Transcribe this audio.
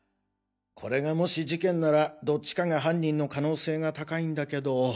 これがもし事件ならどっちかが犯人の可能性が高いんだけど。